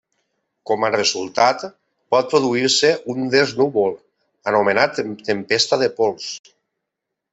Com a resultat, pot produir-se un dens núvol, anomenat tempesta de pols.